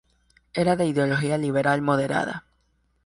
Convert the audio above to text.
Era de ideología liberal moderada.